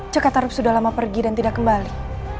cak tarup sudah lama pergi dan tidak kembali